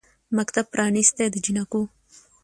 مکتب پرانیستی د جینکیو